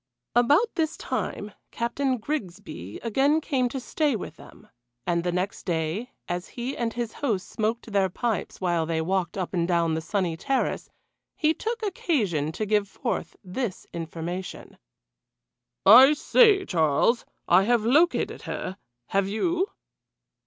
About this time Captain Grigsby again came to stay with them. And the next day, as he and his host smoked their pipes while they walked up and down the sunny terrace, he took occasion to give forth this information: "I say, Charles I have located her have you?"